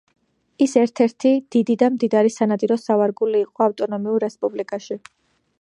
ის ერთ-ერთი დიდი და მდიდარი სანადირო სავარგული იყო ავტონომიურ რესპუბლიკაში.